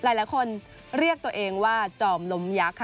หลายคนเรียกตัวเองว่าจอมลมยักษ์ค่ะ